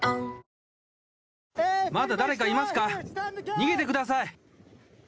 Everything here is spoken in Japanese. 逃げてください。